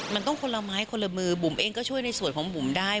มันต้องคนละไม้คนละมือบุ๋มเองก็ช่วยในส่วนของบุ๋มได้